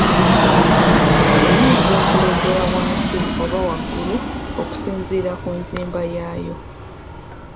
Eyinza okuleegerwa wansi oba waggulu okusinziira ku nzimba yaayo.